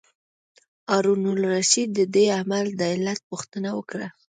هارون الرشید د دې عمل د علت پوښتنه وکړه.